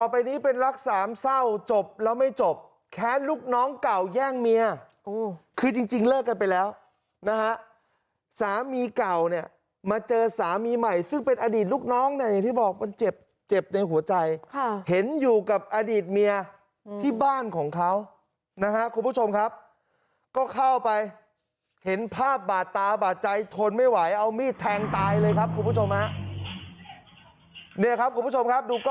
ไปนี้เป็นรักสามเศร้าจบแล้วไม่จบแค้นลูกน้องเก่าแย่งเมียคือจริงเลิกกันไปแล้วนะฮะสามีเก่าเนี่ยมาเจอสามีใหม่ซึ่งเป็นอดีตลูกน้องเนี่ยอย่างที่บอกมันเจ็บเจ็บในหัวใจเห็นอยู่กับอดีตเมียที่บ้านของเขานะฮะคุณผู้ชมครับก็เข้าไปเห็นภาพบาดตาบาดใจทนไม่ไหวเอามีดแทงตายเลยครับคุณผู้ชมฮะเนี่ยครับคุณผู้ชมครับดูก